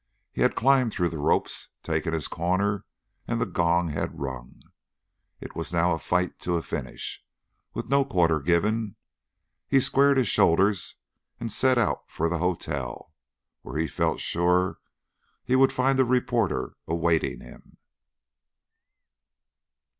He had climbed through the ropes, taken his corner, and the gong had rung; it was now a fight to a finish, with no quarter given. He squared his shoulders and set out for the hotel, where he felt sure he would find a reporter awaiting him.